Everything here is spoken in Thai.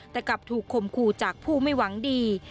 แต่กลับถูกคมคู่จากผู้ไม่หวังดี